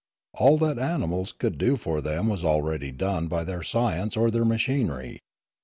All that animals could do for them was already done by their science or their machinery.